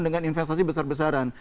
dengan investasi besar besaran